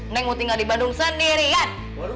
neng mau tinggal di bandung sendiri kan